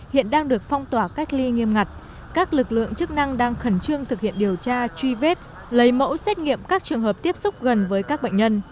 hiện đang được phong tỏa cách ly nghiêm ngặt các lực lượng chức năng đang khẩn trương thực hiện điều tra truy vết lấy mẫu xét nghiệm các trường hợp tiếp xúc gần với các bệnh nhân